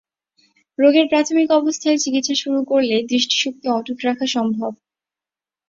রোগের প্রাথমিক অবস্থায় চিকিৎসা শুরু করলে দৃষ্টিশক্তি অটুট রাখা সম্ভব।